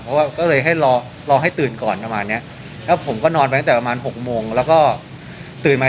พอว่าก็เลยให้รอรอให้ตื่นก่อนเท่าเมื่อไหร่นะแล้วผมก็นอนมาตั้งแต่ประมาณ๖โมงแล้วก็ตื่นมา๗